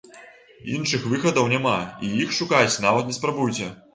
Іншых выхадаў няма, і іх шукаць нават не спрабуйце.